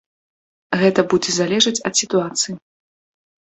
Гэта будзе залежаць ад сітуацыі.